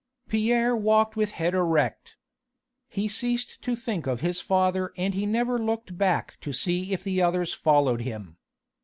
Pierre walked with head erect. He ceased to think of his father and he never looked back to see if the others followed him.